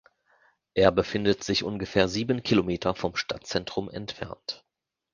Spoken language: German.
Er befindet sich ungefähr sieben Kilometer vom Stadtzentrum entfernt.